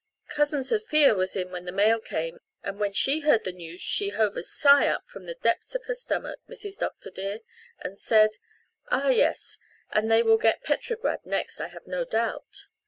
Cousin Sophia was in when the mail came and when she heard the news she hove a sigh up from the depths of her stomach, Mrs. Dr. dear, and said, 'Ah yes, and they will get Petrograd next I have no doubt.'